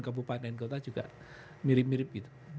kabupaten kota juga mirip mirip gitu